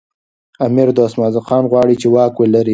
امیر دوست محمد خان غواړي چي واک ولري.